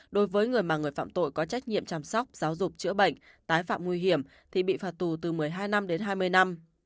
đối với người mà người phạm tội có trách nhiệm chăm sóc giáo dục chữa bệnh tái phạm nguy hiểm thì bị phạt tù từ một mươi hai năm đến hai mươi năm